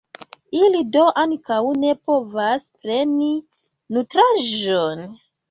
Ili do ankaŭ ne povas preni nutraĵon.